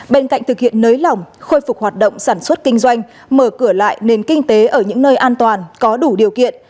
bên cạnh thực hiện nới lỏng khôi phục hoạt động sản xuất kinh doanh mở cửa lại nền kinh tế ở những nơi an toàn có đủ điều kiện